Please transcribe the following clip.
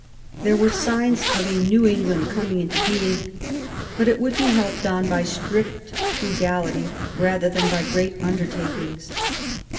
There were signs of a new England coming into being ; but it would be helped on by strict frugality rather than by great undertakings.